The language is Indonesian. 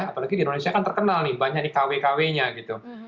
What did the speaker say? apalagi di indonesia kan terkenal nih banyak nih kw kw nya gitu